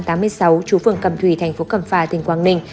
trú phường cầm thủy thành phố cầm phà tỉnh quang ninh